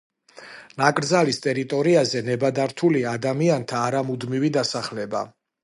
ნაკრძალის ტერიტორიაზე ნებადართულია ადამიანთა არამუდმივი დასახლება.